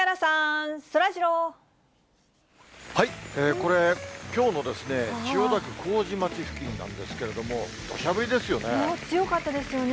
これ、きょうの千代田区麹町付近なんですけども、どしゃぶりですよね。